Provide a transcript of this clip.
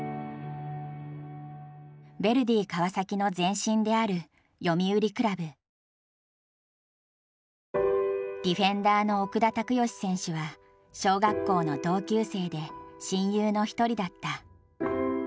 ヴェルディ川崎の前身であるディフェンダーの奥田卓良選手は小学校の同級生で親友の一人だった。